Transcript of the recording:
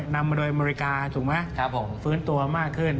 นำมาโดยอเมริกาถูกไหมฟื้นตัวมากขึ้น